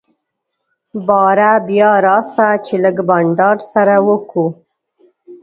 باره بيا راسه چي لږ بانډار سره وکو.